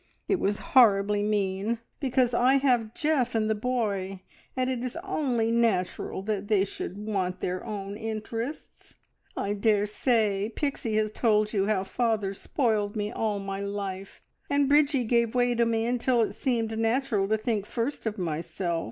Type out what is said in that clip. It was horribly mean, because I have Geoff and the boy, and it is only natural that they should want their own interests. "I daresay Pixie has told you how father spoiled me all my life, and Bridgie gave way to me until it seemed natural to think first of myself.